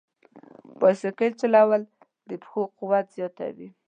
بایسکل چلول د پښو قوت زیاتوي.